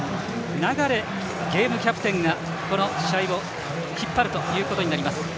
流ゲームキャプテンがこの試合を引っ張るということになります。